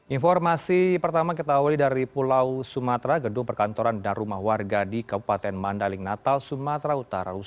informasi pertama kita awali dari pulau sumatera gedung perkantoran dan rumah warga di kabupaten mandaling natal sumatera utara